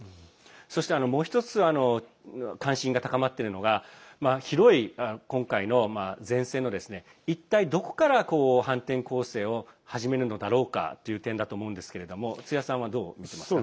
そしてもう１つ関心が高まっているのが広い今回の前線の一体どこから反転攻勢を始めるのだろうかという点だと思うんですけれども津屋さんは、どう見てますか？